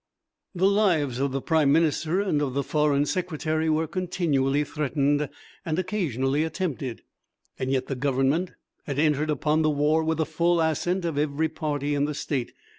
The lives of the Prime Minister and of the Foreign Secretary were continually threatened and occasionally attempted. Yet the Government had entered upon the war with the full assent of every party in the State.